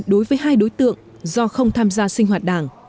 đối với hai đối tượng do không tham gia sinh hoạt đảng